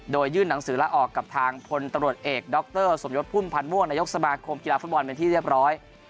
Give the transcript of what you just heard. โดยยื่นหนังสือละออกกับทางพลตรวจเอกดรสมยศพุ่มพันธ์ม่วงนายกสมาคมกีฬาฟุตบอลเป็นที่เรียบร้อย